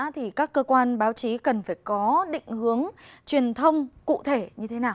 thì các cơ quan báo chí cần phải có định hướng truyền thông cụ thể như thế nào